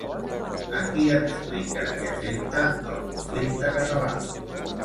A qui explica que afecta el conflicte català?